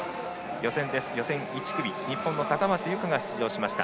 予選１組には日本の高松佑圭が出場しました。